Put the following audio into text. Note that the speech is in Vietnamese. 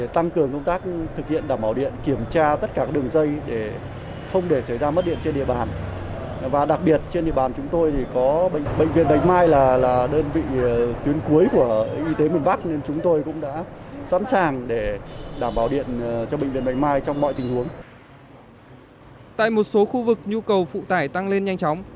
tại một số khu vực nhu cầu phụ tải tăng lên nhanh chóng